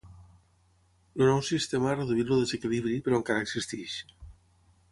El nou sistema ha reduït el desequilibri però encara existeix.